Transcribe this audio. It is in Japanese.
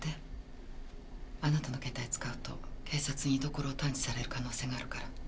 あなたの携帯使うと警察に居所を探知される可能性があるから。